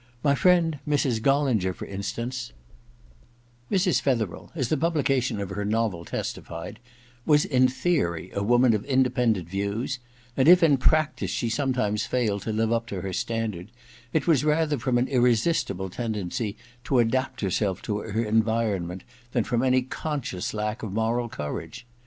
My friend Mrs. Gollinger, for instance * Mrs. Fetherel, as the publication of her novel testified, was in theory a woman of inde pendent views ; and if in practice she sometimes failed to live up to her standard, it was rather from an irresistible tendency to adapt herself to her environment than from any conscious lack of moral courage.